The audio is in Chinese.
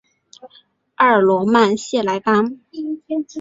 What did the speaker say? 阿尔罗芒谢莱班。